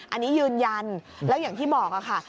อันนี้ยืนยันแล้วอย่างที่บอกค่ะ